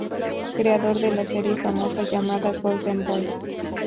Creador de la serie famosa llamado Golden boy.